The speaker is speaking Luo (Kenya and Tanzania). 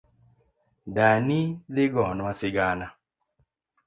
Dani dhi gonwa sigana